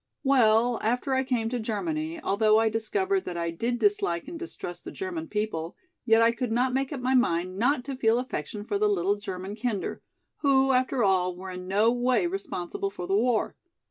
"Well, after I came to Germany, although I discovered that I did dislike and distrust the German people, yet I could not make up my mind not to feel affection for the little German kinder, who after all were in no way responsible for the war.